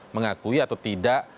mengakui atau tidak